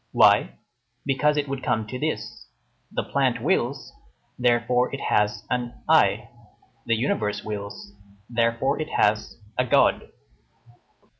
Why? Because it would come to this: the plant wills, therefore it has an I; the universe wills, therefore it has a God.